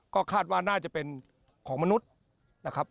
ก็คาดว่าน่าจะเป็นของมนุษย์นะครับ